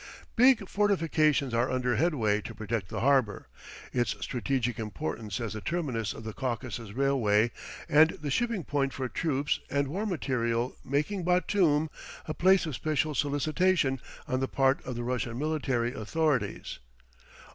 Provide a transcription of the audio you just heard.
Big fortifications are under headway to protect the harbor; its strategic importance as the terminus of the Caucasus Railway and the shipping point for troops and war material making Batoum a place of special solicitation on the part of the Russian military authorities.